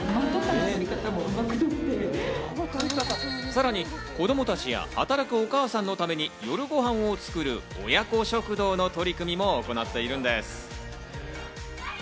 さらに子供たちや働くお母さんのために、夜ごはんを作る親子食堂の取り組みも行っているんです。